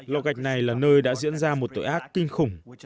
lò gạch này là nơi đã diễn ra một tội ác kinh khủng